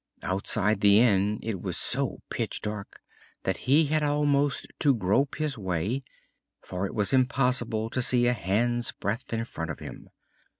Outside the inn it was so pitch dark that he had almost to grope his way, for it was impossible to see a hand's breadth in front of him.